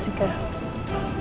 tapi kamiah kalau meniru dariku